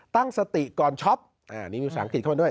ตั้งสติก่อนช็อปอันนี้มีสังคิดเข้ามาด้วย